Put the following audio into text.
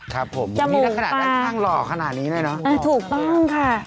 ครับผมนี่ถ้าขนาดด้านข้างหล่อขนาดนี้ด้วยเนอะจมูกปลาอ่าถูกต้องค่ะ